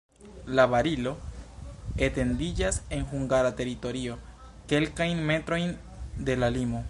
La barilo etendiĝas en hungara teritorio kelkajn metrojn de la limo.